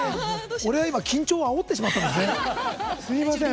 俺は今、緊張をあおってしまったんですね。